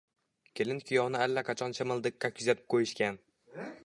Kelin-kuyovni allaqachon chimildiqqa kuzatib qoʻyishgan